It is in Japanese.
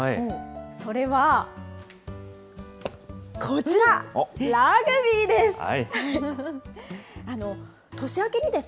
それはこちら、ラグビーです。